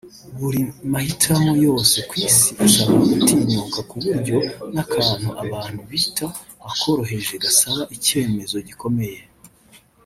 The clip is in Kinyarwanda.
Buri mahitamo yose ku isi asaba gutinyuka ku buryo n’akantu abantu bita akoroheje gasaba icyemezo gikomeye